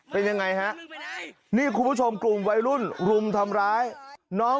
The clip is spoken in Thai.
ประเภทประเภทประเภทประเภท